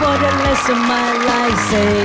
มันไม่ใช่รถประทุกมันไม่ใช่รถตุ๊กตุ๊ก